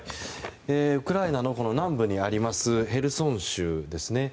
ウクライナ南部にありますヘルソン州ですね。